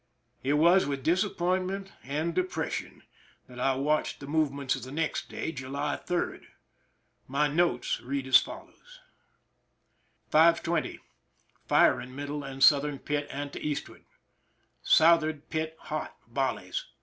It was with disappointment and depression that I watched the movements of the next day, July 3. My notes read as follows : 5 : 20, firing middle and southern pit and to Ed— S<i pit hot— volleys.